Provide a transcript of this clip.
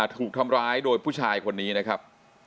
ถูกทำร้ายโดยผู้ชายคนนี้นะครับ